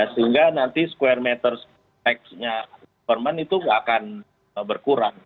sehingga nanti square meter tax nya perman itu gak akan berkurang